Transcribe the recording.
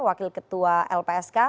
wakil ketua lpsk